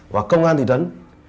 và công an thị trấn